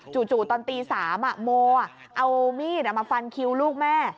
ตอนตี๓โมเอามีดมาฟันคิวลูกแม่